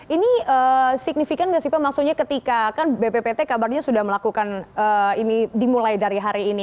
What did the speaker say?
ini signifikan nggak sih pak maksudnya ketika kan bppt kabarnya sudah melakukan ini dimulai dari hari ini